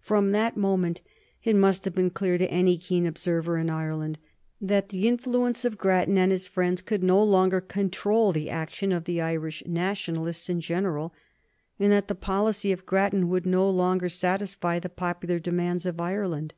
From that moment it must have been clear to any keen observer in Ireland that the influence of Grattan and his friends could no longer control the action of Irish nationalists in general, and that the policy of Grattan would no longer satisfy the popular demands of Ireland.